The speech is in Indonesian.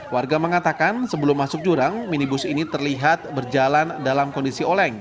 warga mengatakan sebelum masuk jurang minibus ini terlihat berjalan dalam kondisi oleng